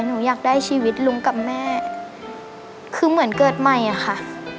หนูอยากได้ชีวิตลุงกับแม่คือเหมือนเกิดใหม่อะค่ะ